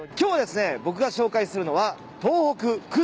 僕が紹介するのは。